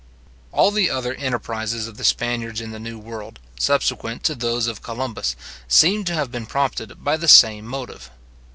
All the other enterprizes of the Spaniards in the New World, subsequent to those of Columbus, seem to have been prompted by the same motive.